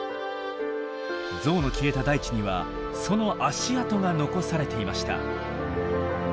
ゾウの消えた大地にはその足跡が残されていました。